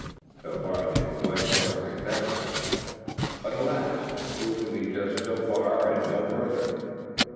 So far were they once more successful; but alas! it proved to be just so far and no farther.